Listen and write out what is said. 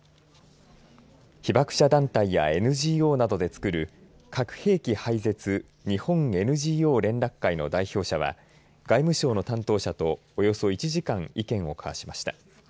被爆者団体やＮＧＯなどでつくる核兵器廃絶日本ＮＧＯ連絡会の代表者は外務省の担当者とおよそ１時間意見を交わしました。